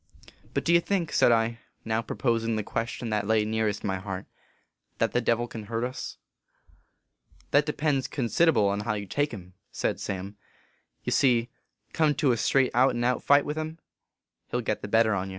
44 But do you think," said I, now proposing the question that lay nearest my heart, " that the Devil can hurt us ?" 44 That depends consid able jn how you take him," said Sam. 44 Ye see, come to a straight out an out fight with him, he ll git the better on yer."